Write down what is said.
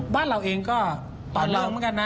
บ้านเราเองก็ป่าเริงเหมือนกันนะ